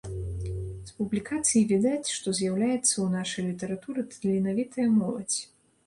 З публікацый відаць, што з'яўляецца ў нашай літаратуры таленавітая моладзь.